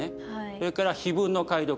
それから碑文の解読